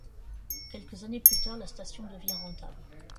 Quelques années plus tard, la station devient rentable.